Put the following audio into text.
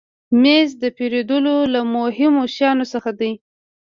مېز د پیرودلو له مهمو شیانو څخه دی.